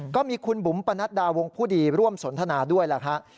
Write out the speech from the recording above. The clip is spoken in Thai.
ก็มีคุณบุ๋มปนัดดาวงผู้ดีร่วมสนทนาด้วยล่ะครับ